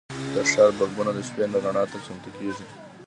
د ښار بلبونه د شپې رڼا ته چمتو کېږي.